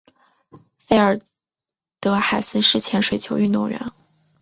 费尔德海斯是前水球运动员。